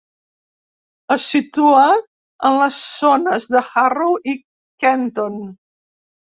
Es situa en les zones de Harrow i Kenton.